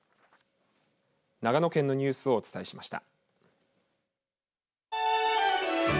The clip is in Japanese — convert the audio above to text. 長野県のニュースをお伝えしました。